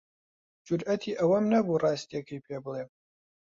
جورئەتی ئەوەم نەبوو ڕاستییەکەی پێ بڵێم.